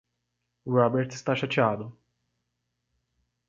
Robert está chateado.